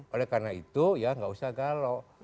oleh karena itu ya nggak usah galau